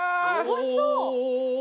おいしそう！